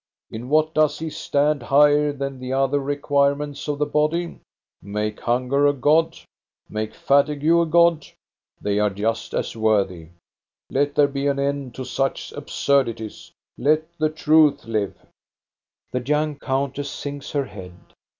In what does he stand higher than the other requirements of the body? Make hunger a god ! Make fatigue a god ! They are just as worthy. Let there be an end to such absurdities ! Let the truth live !" The young countess sinks her head.